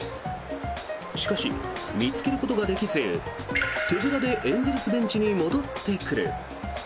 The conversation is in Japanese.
しかし、見つけることができず手ぶらでエンゼルスベンチに戻ってくる。